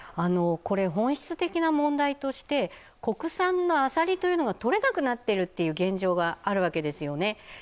本質的な問題として、国産のアサリというのが取れなくなっているという現状があるわけですよね。